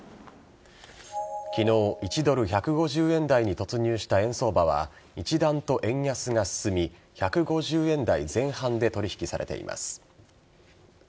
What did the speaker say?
昨日、１ドル１５０円台に突入した円相場は一段と円安が進み１５０円台前半で取引されています。